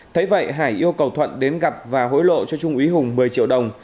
thấy vậy hải yêu cầu thuận đến gặp và hối lộ cho trung úy hùng một mươi triệu đồng